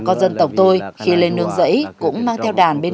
có gần bốn trăm linh tập thể và cá nhân